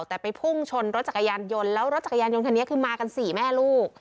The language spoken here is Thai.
แต่ไปพุ่งชนรถจักรยานยนต์แล้วรถจักรยานยนต์คันนี้คือมากันสี่แม่ลูก